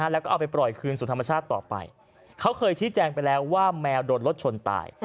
แล้วก็เอาไปปล่อยคืนสู่ธรรมชาติต่อไปเขาเคยชี้แจงไปแล้วว่าแมวโดนรถชนตาย